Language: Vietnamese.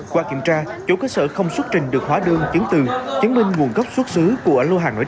qua kiểm tra chỗ cơ sở không xuất trình được hóa đơn chứng từ chứng minh nguồn gốc xuất xứ của án lô hàng nổi trên